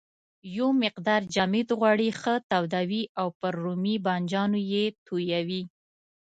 یو مقدار جامد غوړي ښه تودوي او پر رومي بانجانو یې تویوي.